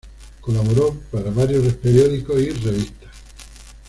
Colaboró para varios periódicos y revistas.